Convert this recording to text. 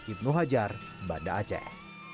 ibnu hajar banda aceh